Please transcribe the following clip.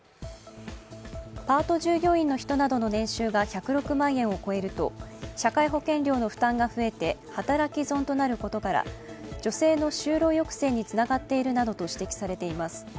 パート従業員の人などの年収が１０６万円を超えると社会保険料の負担が増えて働き損となることから女性の就労抑制につながっているなどと指摘されています。